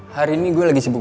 hari ini gue lagi sibuk